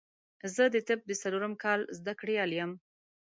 زه د طب د څلورم کال زده کړيال يم